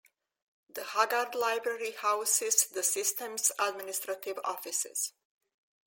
The Haggard Library houses the system's administrative offices.